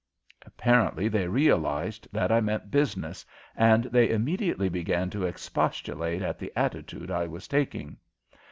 Apparently they realized that I meant business and they immediately began to expostulate at the attitude I was taking.